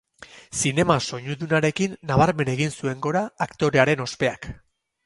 Zinema soinudunarekin nabarmen egin zuen gora aktorearen ospeak.